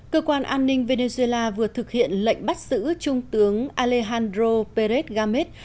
cơ quan an ninh venezuela vừa thực hiện lệnh bắt xử trung tướng alejandro pérez gámez